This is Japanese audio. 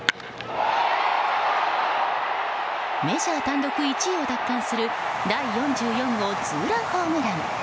メジャー単独１位を奪還する第４４号ツーランホームラン。